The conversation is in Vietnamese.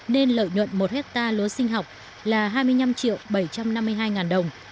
nên lợi nhuận một hectare lúa sinh học là hai mươi năm bảy trăm năm mươi hai đồng